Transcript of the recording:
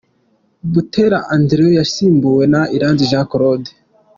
Buteera Andrew yasimbuwe na Iranzi Jean Claude.